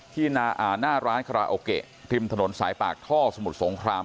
ที่หน้าร้านคาราโอเกะริมถนนสายปากท่อสมุทรสงคราม